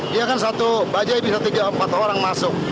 dia kan satu bajai bisa tiga empat orang masuk